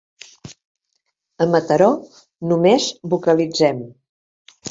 A Mataró només vocalitzem.